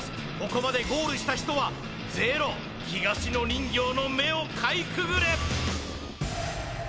ここまでゴールした人はゼロ東野人形の目をかいくぐれ！